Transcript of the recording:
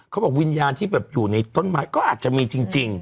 เขาบอกวิญญาณที่แบบอยู่ในต้นไม้ก็อาจจะมีจริง